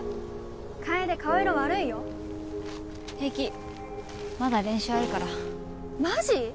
楓顔色悪いよ平気まだ練習あるからマジ？